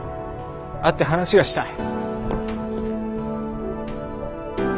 会って話がしたい。